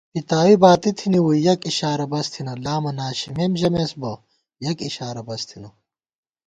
پِتاوی باتی تھنی ووئی یَک اِشارہ بس تھنہ * لامہ ناشِمېم ژَمېس بہ یَک اِشارہ بس تھنہ